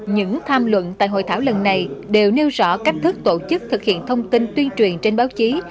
những tham luận tại hội thảo lần này đều nêu rõ cách thức tổ chức thực hiện thông tin tuyên truyền trên báo chí